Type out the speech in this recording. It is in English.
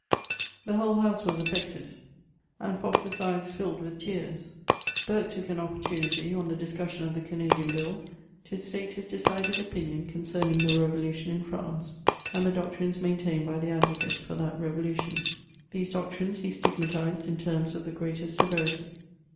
The whole house was affected, and Fox's eyes filled with tears. Burke took an opportunity, on the discussion of the Canadian Bill, to state his aecided opinion concerning the revolution in France, and the doctrines maintained by the advocates for that revolution. These doctrines he stigmatised in terms of the greatest severity.